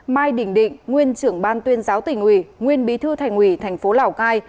mai đình định nguyên trưởng ban tuyên giáo tỉnh ủy nguyên bí thư thành ủy tp lào cai